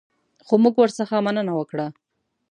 خو موږ ورڅخه مننه وکړه.